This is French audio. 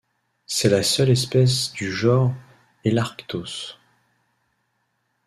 C'est la seule espèce du genre Helarctos.